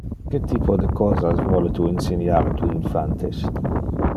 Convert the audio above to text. Que typo de cosas vole tu inseniar a tu infantes?